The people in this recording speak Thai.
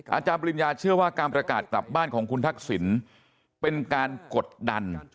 อาจารย์ปริญญาเชื่อว่าการประกาศกลับบ้านของคุณทักษิณเป็นการกดดัน